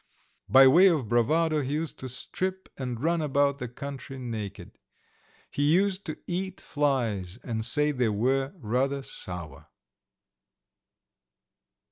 By way of bravado he used to strip and run about the country naked. He used to eat flies and say they were rather sour.